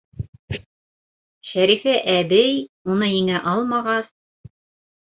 Шәрифә әбей уны еңә алмағас: